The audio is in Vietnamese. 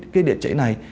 cái địa chế này